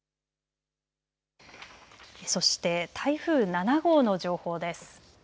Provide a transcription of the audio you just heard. そして、台風７号の情報です。